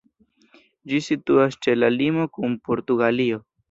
Ĝi situas ĉe la limo kun Portugalio.